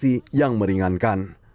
saksi yang meringankan